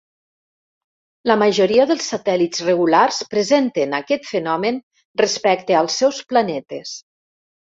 La majoria dels satèl·lits regulars presenten aquest fenomen respecte als seus planetes.